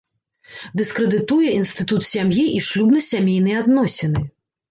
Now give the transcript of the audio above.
Дыскрэдытуе інстытут сям'і і шлюбна-сямейныя адносіны.